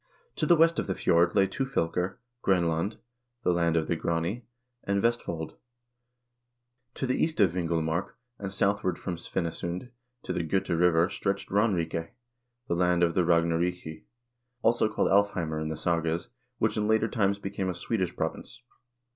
To the west of the fjord lay two fylker, Grenland (the land of the Grannii) and Vestfold ; to the east Vingul mark, and southward from Svinesund to the Gota River stretched Ranrike, the land of the Ragnaricii,2 also called Alfheimr in the sagas, which in later times became a Swedish province.